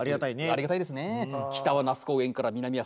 ありがたいですね。